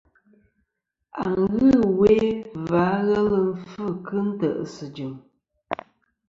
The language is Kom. Achi ɨwe gvi-a ghelɨ fvɨ kɨ nte ̀sɨ jɨm.